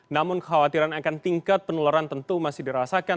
namun kekhawatiran akan tingkat penularan tentu masih dirasakan